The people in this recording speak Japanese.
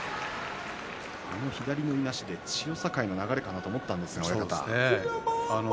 左のいなしで千代栄の流れかと思ったんですけどね。